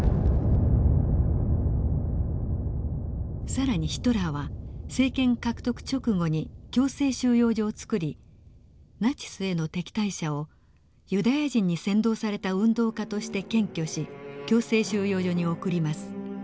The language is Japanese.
更にヒトラーは政権獲得直後に強制収容所を作りナチスへの敵対者をユダヤ人に扇動された運動家として検挙し強制収容所に送ります。